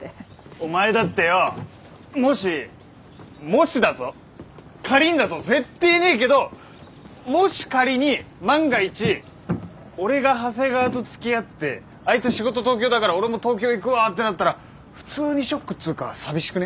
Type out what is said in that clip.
お前だってよもしもしだぞ仮にだぞ絶対ねえけどもし仮に万が一俺が長谷川とつきあってあいつ仕事東京だから俺も東京行くわってなったら普通にショックっつうか寂しくね？